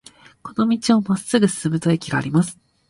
この道をまっすぐ進むと駅があります。